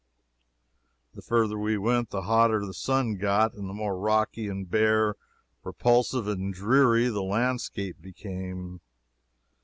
The further we went the hotter the sun got, and the more rocky and bare, repulsive and dreary the landscape became.